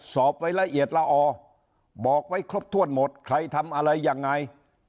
สอบไว้ละเอียดละออบอกไว้ครบถ้วนหมดใครทำอะไรยังไง